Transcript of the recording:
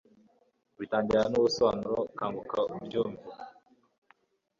bitangirana nubusobanuro .. kanguka ubyumve